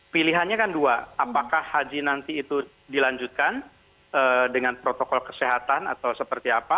pilihannya kan dua apakah haji nanti itu dilanjutkan dengan protokol kesehatan atau seperti apa